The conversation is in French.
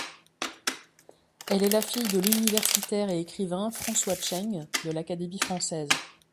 Elle est la fille de l'universitaire et écrivain François Cheng, de l'Académie française.